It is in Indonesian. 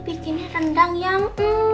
bikin rendang yang